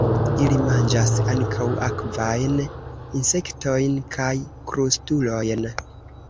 Ili manĝas ankaŭ akvajn insektojn kaj krustulojn.